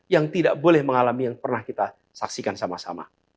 yang tidak boleh mengalami yang pernah kita saksikan sama sama